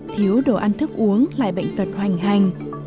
thiếu đồ ăn thức uống lại bệnh tật hoành hành